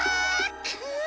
く！